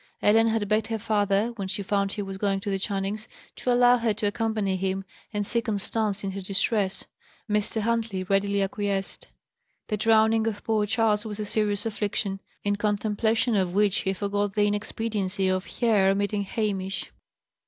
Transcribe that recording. Ellen had begged her father, when she found he was going to the Channings', to allow her to accompany him, and see Constance in her distress. Mr. Huntley readily acquiesced. The drowning of poor Charley was a serious affliction, in contemplation of which he forgot the inexpediency of her meeting Hamish.